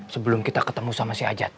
sebelum kita ketemu sama si ajat